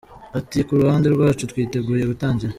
Ati” Ku ruhande rwacu twiteguye gutangira.